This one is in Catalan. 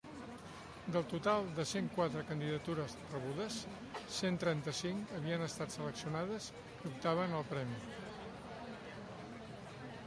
Del total de cent quatre candidatures rebudes, trenta-cinc havien estat seleccionades i optaven al Premi.